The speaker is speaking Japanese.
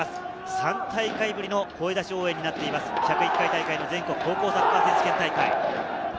３大会ぶりの声出し応援になっています、１０１回大会の全国高校サッカー選手権大会。